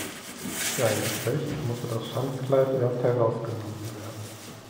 Für ein Gefecht musste das Schanzkleid erst herausgenommen werden.